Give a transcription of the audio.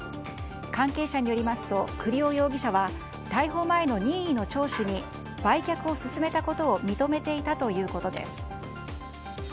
関係者によりますと栗尾容疑者は逮捕前の任意の聴取に売却を勧めたことを認めていたということです。